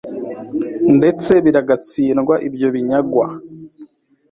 ndetse biragatsindwa ibyo binyagwa